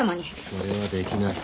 それはできない。